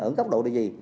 ở góc độ là gì